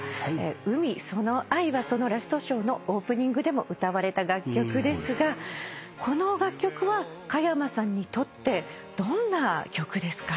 『海その愛』はそのラストショーのオープニングでも歌われた楽曲ですがこの楽曲は加山さんにとってどんな曲ですか？